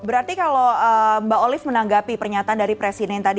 berarti kalau mbak olive menanggapi pernyataan dari presiden tadi